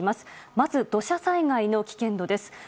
まず土砂災害の危険度です。